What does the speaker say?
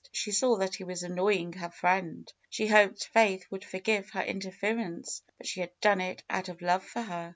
She saw that he was annoying her friend. She hoped Faith would forgive her interference, but she had done it out of love for her.